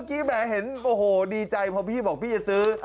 พริกไหมดีใจเลยว่าพี่บอกว่าพี่จะซื้อ